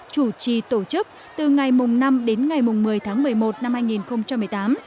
chủ trì tổ chức từ ngày năm đến ngày một mươi tháng một mươi một năm hai nghìn một mươi tám